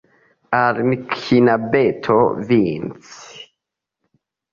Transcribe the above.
Al ni knabeto venis!